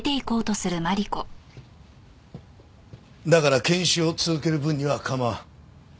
だから検視を続ける分には構わん。